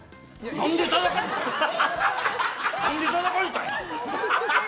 何でたたかれたんや？